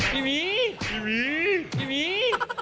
ไม่มีไม่มีไม่มี